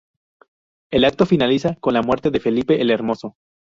El acto finaliza con la muerte de Felipe el Hermoso.